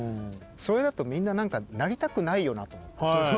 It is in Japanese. それだとみんななりたくないよなと思って。